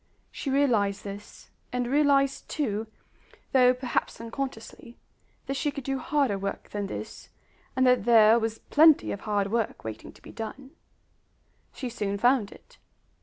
She realized this, and realized too, though perhaps unconsciously, that she could do harder work than this, and that there was plenty of hard work waiting to be done. She soon found it.